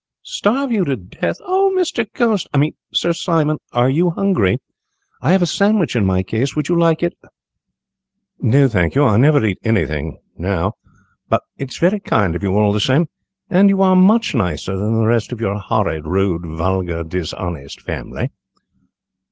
"Starve you to death? Oh, Mr. Ghost I mean Sir Simon, are you hungry? I have a sandwich in my case. Would you like it?" "No, thank you, I never eat anything now; but it is very kind of you, all the same, and you are much nicer than the rest of your horrid, rude, vulgar, dishonest family."